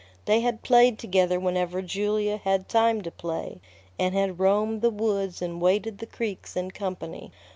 They had played together whenever Julia had time to play, and had roamed the woods and waded the creeks in company.